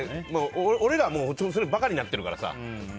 俺らはもう馬鹿になってるからさ。